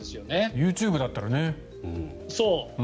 ＹｏｕＴｕｂｅだったらね。